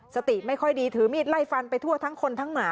สติไม่ค่อยดีถือมีดไล่ฟันไปทั่วทั้งคนทั้งหมา